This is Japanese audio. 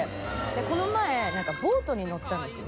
この前何かボートに乗ったんですよ。